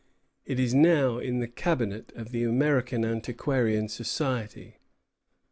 It is now in the cabinet of the American Antiquarian Society.